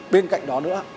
bên cạnh đó nữa